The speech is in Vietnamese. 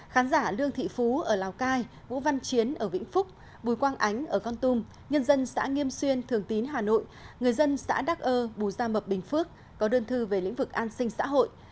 khán giả lương thị phú ở lào cai vũ văn chiến ở vĩnh phúc bùi quang ánh ở con tum nhân dân xã nghiêm xuyên thường tín hà nội người dân xã đắc ơ bùi gia mập bình phước có đơn thư về lĩnh vực an sinh xã hội